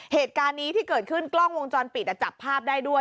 เหตุการณ์นี้ที่เกิดขึ้นกล้องวงจรปิดจับภาพได้ด้วย